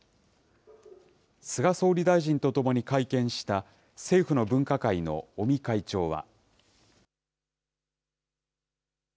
菅総理大臣とともに会見した政府の分科会の尾身会長は。